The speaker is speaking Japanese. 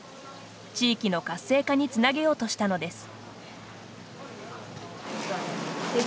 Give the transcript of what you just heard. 地域の活性化につなげようとしたのです。